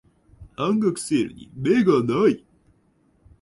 半額セールに目がない